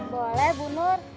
boleh bu nur